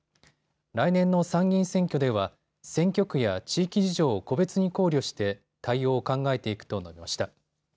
来年の参議院選挙では選挙区や地域事情を個別に考慮して対応を考えていくと述べました。